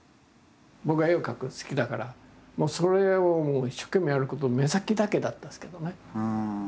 僕は絵を描くの好きだからもうそれを一生懸命やること目先だけだったですけどね。